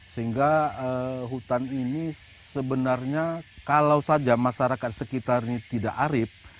sehingga hutan ini sebenarnya kalau saja masyarakat sekitarnya tidak arip